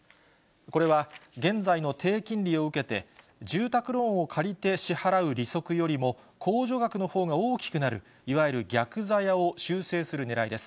これは、現在の低金利を受けて、住宅ローンを借りて支払う利息よりも、控除額のほうが大きくなる、いわゆる逆ざやを修正するねらいです。